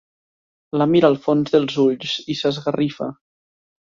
La mira al fons dels ulls i s'esgarrifa.